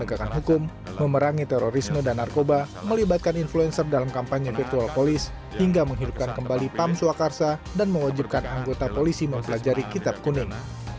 penegakan hukum memerangi terorisme dan narkoba melibatkan influencer dalam kampanye virtual polis hingga menghidupkan kembali pam swakarsa dan mewajibkan anggota polisi mempelajari kitab kuning